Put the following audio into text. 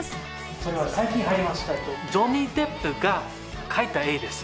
それは最近入りましたジョニー・デップが描いた絵です。